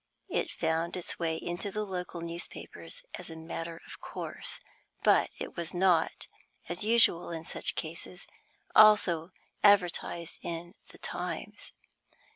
It found its way into the local newspapers as a matter of course, but it was not, as usual in such cases, also advertised in the Times.